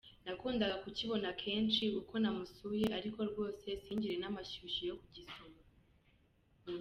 Nakundaga kukibona kenshi uko namusuye ariko rwose singire n’amashyushyu yo kugisoma.